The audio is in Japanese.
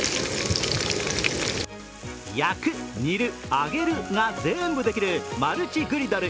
焼く、煮る、揚げるが全部できるマルチグリドル。